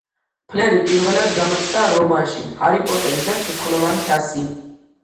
ფლერი პირველად გამოჩნდა რომანში „ჰარი პოტერი და ცეცხლოვანი თასი“.